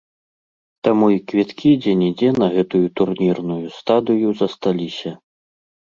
Таму і квіткі дзе-нідзе на гэтую турнірную стадыю засталіся.